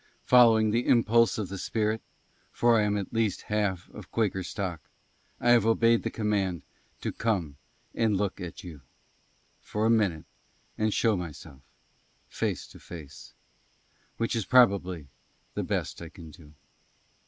FOLLOWING THE IMPULSE OF THE SPIRIT (FOR I AM AT LEAST HALF OF QUAKER STOCK), I HAVE OBEYED THE COMMAND TO COME AND LOOK AT YOU, FOR A MINUTE, AND SHOW MYSELF, FACE TO FACE; WHICH IS PROBABLY THE BEST I CAN DO.